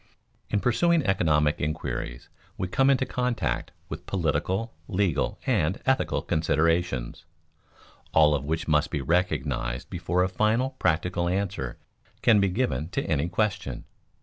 In pursuing economic inquiries we come into contact with political, legal, and ethical considerations, all of which must be recognized before a final practical answer can be given to any question.